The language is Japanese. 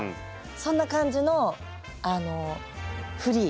そんな感じのフリー？